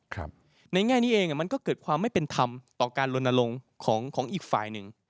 ในแง่นี้เองมันก็เกิดความไม่เป็นธรรมต่อการลนลงของของอีกฝ่ายหนึ่ง